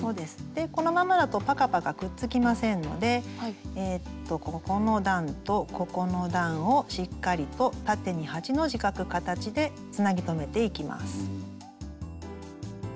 でこのままだとパカパカくっつきませんのでここの段とここの段をしっかりと縦に８の字描く形でつなぎ留めていきます。